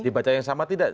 dibaca yang sama tidak